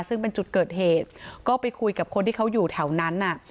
ซึ่งเป็นจุดเกิดเหตุก็ไปคุยกับคนที่เขาอยู่แถวนั้น